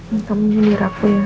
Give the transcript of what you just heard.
enggak menyindir aku ya